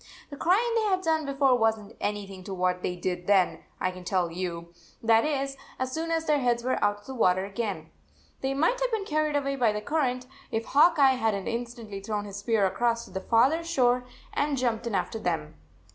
The crying they had done before was n t anything to what they did then, lean tell you. That is, as soon as their heads were out of the water again. They might have been carried away by the current, if Hawk Eye had n t instantly thrown his spear across to the farther shore and jumped in after them.